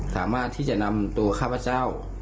สามารถที่จะนำตัวข้าพเจ้า